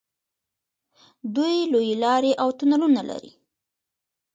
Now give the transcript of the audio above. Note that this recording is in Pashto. دوی لویې لارې او تونلونه لري.